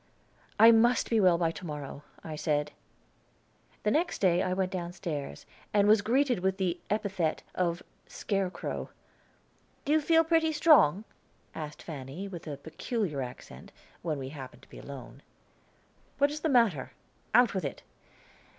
"I must be well by to morrow," I said. The next day I went down stairs, and was greeted with the epithet of "Scarecrow." "Do you feel pretty strong?" asked Fanny, with a peculiar accent, when we happened to be alone. "What is the matter? Out with it!"